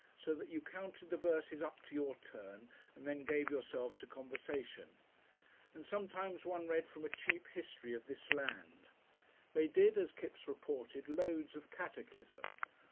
so that you counted the verses up to your turn and then gave yourself to conversation and sometimes one read from a cheap History of this land. They did, as Kipps reported, "loads of catechism."